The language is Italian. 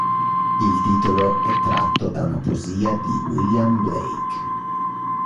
Il titolo è tratto da una poesia di William Blake.